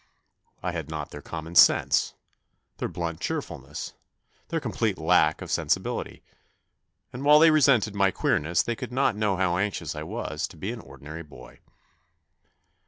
I had not their common sense, their blunt cheerfulness, their complete lack of sensibility, and while they resented my queerness they could not know how anxious I was to be an ordinary boy.